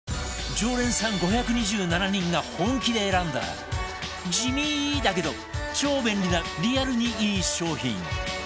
常連さん５２７人が本気で選んだ地味だけど超便利なリアルにいい商品